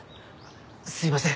すいません。